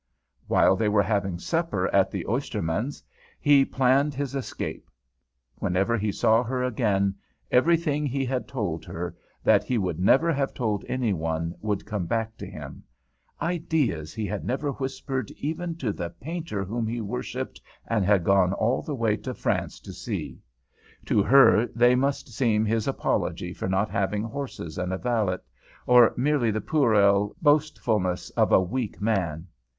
While they were having supper at the oyster man's, he planned his escape. Whenever he saw her again, everything he had told her, that he should never have told any one, would come back to him; ideas he had never whispered even to the painter whom he worshipped and had gone all the way to France to see. To her they must seem his apology for not having horses and a valet, or merely the puerile boastfulness of a weak man.